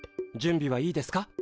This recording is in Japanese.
準備はいいですか？